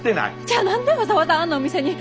じゃあ何でわざわざあんなお店に。